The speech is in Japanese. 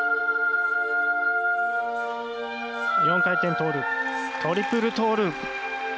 ４ 回転トーループトリプルトーループ。